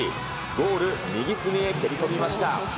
ゴール右隅へ蹴り込みました。